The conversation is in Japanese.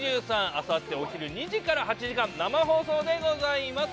あさってお昼２時から８時間生放送でございます